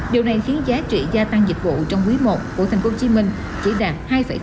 điều này khiến giá trị gia tăng dịch vụ trong quý một của thành phố hồ chí minh chỉ đạt hai bảy